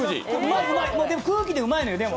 まず空気でうまいのよ。